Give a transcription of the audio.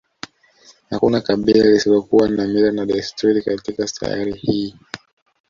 Hakuna kabila lisilokuwa na mila na desturi katika sayari hii